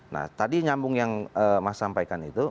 nah tadi nyambung yang mas sampaikan itu